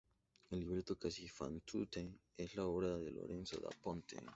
El libreto "Così fan tutte" es obra de Lorenzo da Ponte.